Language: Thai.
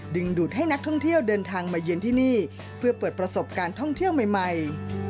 ดูดให้นักท่องเที่ยวเดินทางมาเยือนที่นี่เพื่อเปิดประสบการณ์ท่องเที่ยวใหม่